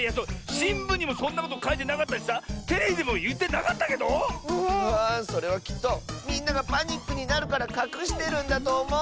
しんぶんにもそんなことかいてなかったしさテレビでもいってなかったけど⁉それはきっとみんながパニックになるからかくしてるんだとおもう。